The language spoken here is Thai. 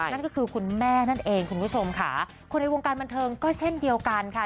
นั่นก็คือคุณแม่นั่นเองคุณผู้ชมค่ะคนในวงการบันเทิงก็เช่นเดียวกันค่ะ